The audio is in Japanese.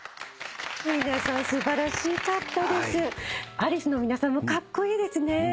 アリスの皆さんもカッコイイですね。